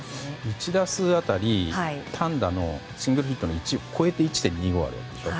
１打数辺り、単打のシングルヒットの１を超えて１．２５あるわけでしょ。